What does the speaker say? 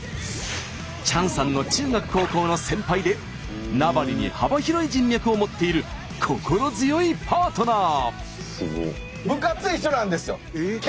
チャンさんの中学高校の先輩で名張に幅広い人脈を持っている心強いパートナー！